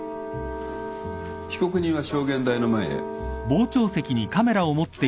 被告人は証言台の前へ。